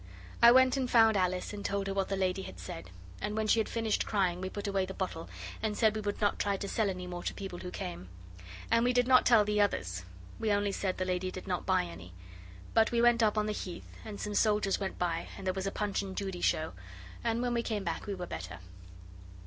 I went and found Alice, and told her what the lady had said, and when she had finished crying we put away the bottle and said we would not try to sell any more to people who came. And we did not tell the others we only said the lady did not buy any but we went up on the Heath, and some soldiers went by and there was a Punch and judy show, and when we came back we were better.